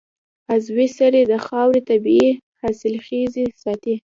عضوي سرې د خاورې طبعي حاصلخېزي ساتي.